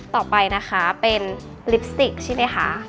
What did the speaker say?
ต่อไปนะคะเป็นลิปสติกใช่ไหมคะ